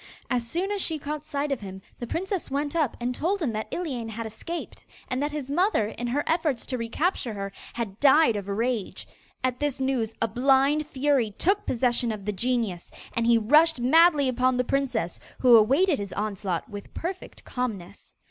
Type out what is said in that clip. As soon as she caught sight of him, the princess went up and told him that Iliane had escaped, and that his mother, in her efforts to recapture her, had died of rage. At this news a blind fury took possession of the genius, and he rushed madly upon the princess, who awaited his onslaught with perfect calmness.